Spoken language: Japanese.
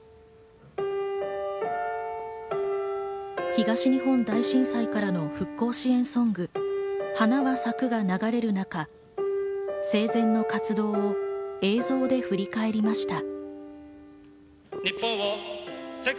東日本大震災からの復興支援ソング『花は咲く』が流れる中、生前の活動を映像で振り返りました。